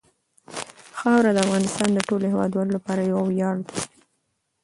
خاوره د افغانستان د ټولو هیوادوالو لپاره یو ویاړ دی.